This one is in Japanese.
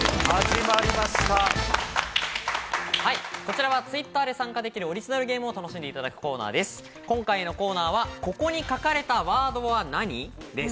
こちらはＴｗｉｔｔｅｒで参加できるオリジナルゲームを楽しんでいただくコーナーです。